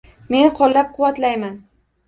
Men qo'llab quvvatlayman.